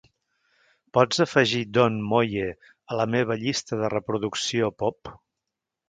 Pots afegir don moye a la meva llista de reproducció Pop?